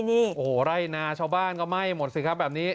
โอ้โหไร่นาชาวบ้านก็ไหม้หมดสิครับแบบนี้